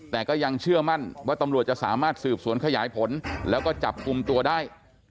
แต่ก็ยังเชื่อมั่นว่าตำรวจจะสามารถสืบสวนขยายผลแล้วก็จับกลุ่มตัวได้